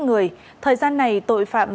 người thời gian này tội phạm